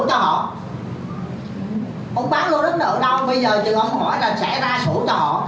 ông bán lô đất nợ đâu bây giờ chứ ông hỏi là sẽ ra sổ cho họ